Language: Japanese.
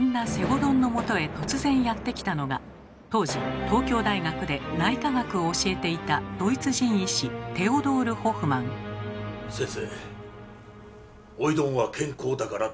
どんのもとへ突然やって来たのが当時東京大学で内科学を教えていた先生